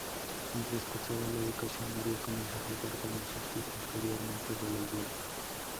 Mientras cursaba la educación media comenzó a jugar baloncesto, y posteriormente voleibol.